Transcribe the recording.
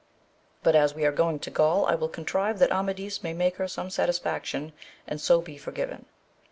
But as we are going to Gaul I will contrive that Amadis may make her some satisfaction, and so be forgiven.